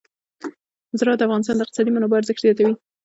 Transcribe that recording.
زراعت د افغانستان د اقتصادي منابعو ارزښت زیاتوي.